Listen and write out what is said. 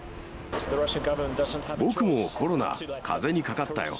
僕もコロナ、かぜにかかったよ。